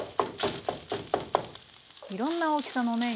いろんな大きさのね